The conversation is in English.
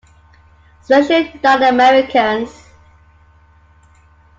Especially not Americans.